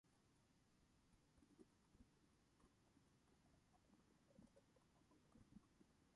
The location was called 'Tarparrie', which is suspected to mean "Muddy Creek".